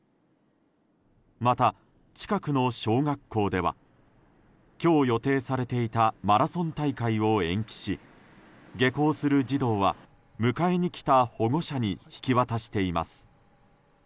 また、近くの小学校では今日予定されていたマラソン大会を延期し下校する児童は迎えに来た保護者に引き渡しています。